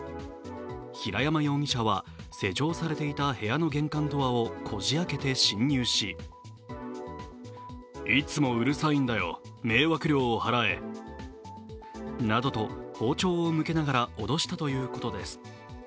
平山容疑者は施錠されていた部屋の玄関ドアをこじ開けて侵入しなどと包丁を向けながら脅したということです。